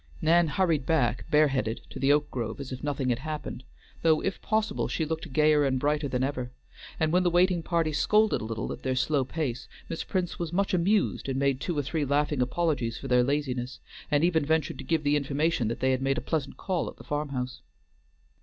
Nan hurried back bareheaded to the oak grove as if nothing had happened, though, if possible, she looked gayer and brighter than ever. And when the waiting party scolded a little at their slow pace, Miss Prince was much amused and made two or three laughing apologies for their laziness, and even ventured to give the information that they had made a pleasant call at the farm house.